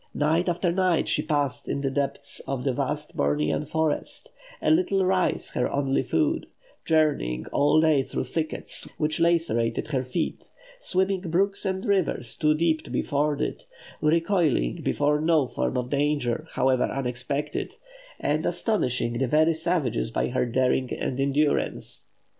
Night after night she passed in the depths of the vast Bornean forest, a little rice her only food journeying all day through thickets, which lacerated her feet; swimming brooks and rivers too deep to be forded; recoiling before no form of danger, however unexpected; and astonishing the very savages by her daring and endurance.